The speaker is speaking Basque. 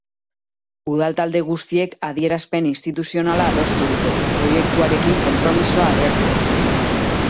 Udal talde guztiek adierazpen instituzionala adostu dute, proiektuarekin konpromisoa agertzeko.